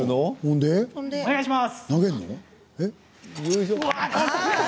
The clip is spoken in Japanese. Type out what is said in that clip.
お願いします。